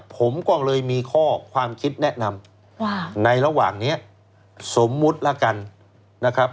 ผมก็เลยมีข้อความคิดแนะนำว่าในระหว่างนี้สมมุติแล้วกันนะครับ